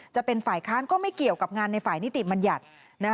จะเป็นฝ่ายค้านก็ไม่เกี่ยวกับงานในฝ่ายนิติบัญญัติ